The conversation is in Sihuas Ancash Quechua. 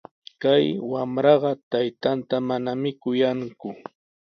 Kay wamraqa taytanta manami kuyanku.